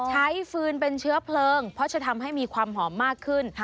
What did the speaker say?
ฟืนเป็นเชื้อเพลิงเพราะจะทำให้มีความหอมมากขึ้น